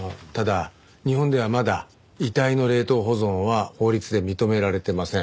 ただ日本ではまだ遺体の冷凍保存は法律で認められてません。